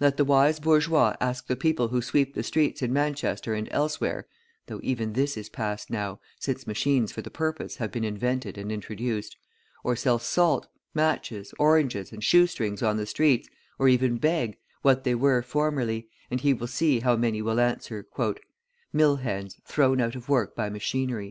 Let the wise bourgeois ask the people who sweep the streets in Manchester and elsewhere (though even this is past now, since machines for the purpose have been invented and introduced), or sell salt, matches, oranges, and shoe strings on the streets, or even beg, what they were formerly, and he will see how many will answer: "Mill hands thrown out of work by machinery."